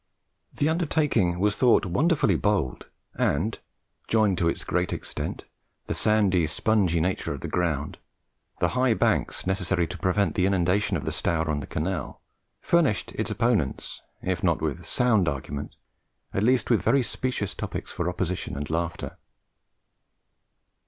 The undertaking was thought wonderfully bold, and, joined to its great extent, the sandy, spongy nature of the ground, the high banks necessary to prevent the inundation of the Stour on the canal, furnished its opponents, if not with sound argument, at least with very specious topics for opposition and laughter.